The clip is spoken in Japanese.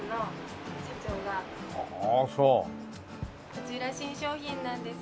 こちら新商品なんです。